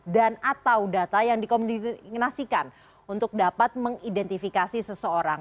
dan atau data yang dikomunikasikan untuk dapat mengidentifikasi seseorang